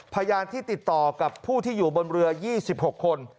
พยานที่ติดต่อกับผู้ที่อยู่บนเรือ๒๖คน